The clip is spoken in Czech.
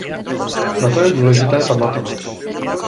Na to je důležité pamatovat.